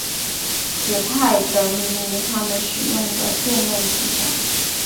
此派得名于他们使用的辩论技巧。